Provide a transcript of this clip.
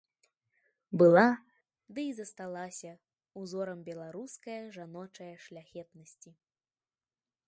Была, ды і засталася, узорам беларускае жаночае шляхетнасці.